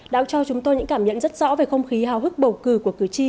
đã cho chúng tôi những cảm nhận rất rõ về không khí hào hức bầu cử của cử tri